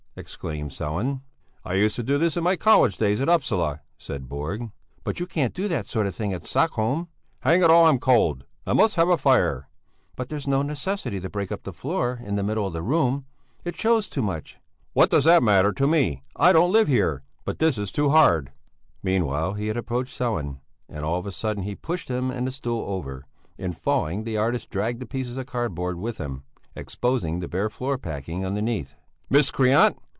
exclaimed Sellén. "I used to do this in my college days at Upsala," said Borg. "But you can't do that sort of thing at Stockholm!" "Hang it all, I'm cold! I must have a fire." "But there's no necessity to break up the floor in the middle of the room! It shows too much!" "What does that matter to me! I don't live here. But this is too hard." Meanwhile he had approached Sellén, and all of a sudden he pushed him and the stool over; in falling the artist dragged the pieces of cardboard with him, exposing the bare floor packing underneath. "Miscreant!